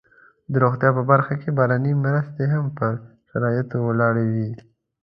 د روغتیا په برخه کې بهرنۍ مرستې هم پر شرایطو ولاړې وي.